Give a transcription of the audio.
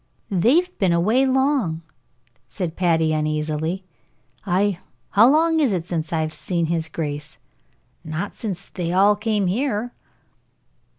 "They've been away long," said Patty, uneasily. "Ay. How long is it since I've seen his grace? Not since they all came here."